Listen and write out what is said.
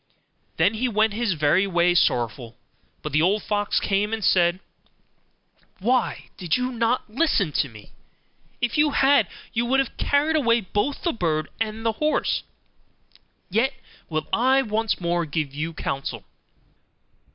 Then he went his way very sorrowful; but the old fox came and said, 'Why did not you listen to me? If you had, you would have carried away both the bird and the horse; yet will I once more give you counsel.